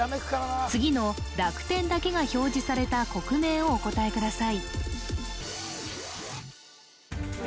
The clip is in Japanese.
次の濁点だけが表示された国名をお答えください